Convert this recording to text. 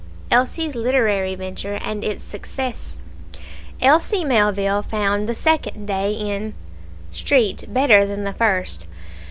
Elsie's Literary Venture, and Its Success Elsie Melville found the second day in Street better than the first.